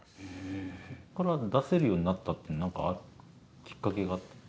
これは出せるようになったっていうのはなんかきっかけがあった？